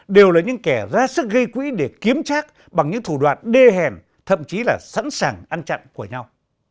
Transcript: đều là những kẻ ra sức gây quỹ để kiếm trác bằng những thủ đoạn đê hèn thậm chí là sẵn sàng ăn chặn của nhau